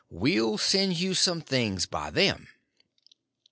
We'll send you some things by them."